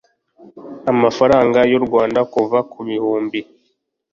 amafaranga y u Rwanda kuva ku bihumbi